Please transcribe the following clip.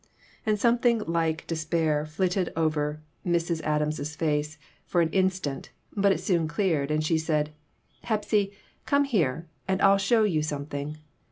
A look something like despair flitted over Mrs. 6O PERTURBATIONS. Adams' face for an instant, but it soon cleared, and she said "Hepsy, come here and I'll show you some thing!"